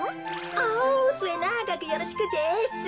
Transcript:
おすえながくよろしくです。